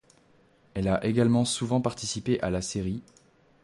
Elle a également souvent participé à la série '.